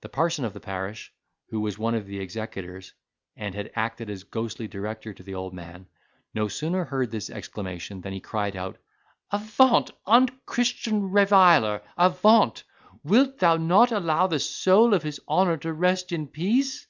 The parson of the parish, who was one of the executors, and had acted as ghostly director to the old man, no sooner heard this exclamation than he cried out, "Avaunt, unchristian reviler! avaunt! wilt thou not allow the soul of his honour to rest in peace?"